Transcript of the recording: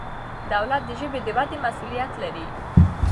دولت د ژبې د ودې مسؤلیت لري.